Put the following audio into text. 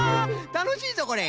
たのしいぞこれ。